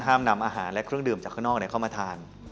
นำอาหารและเครื่องดื่มจากข้างนอกเข้ามาทาน